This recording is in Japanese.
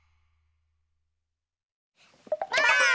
ばあっ！